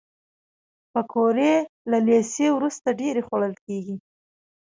پکورې له لیسې وروسته ډېرې خوړل کېږي